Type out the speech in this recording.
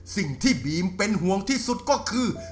สิ่งที่บีมเป็นห่วงที่สุดก็คือ